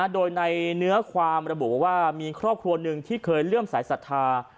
โดยในเนื้อความระบุว่ามีครอบครัวหนึ่งที่เคยเลื่อมสายศรัทธา